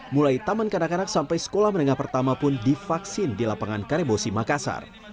mulai taman kanak kanak sampai sekolah menengah pertama pun divaksin di lapangan karibosi makassar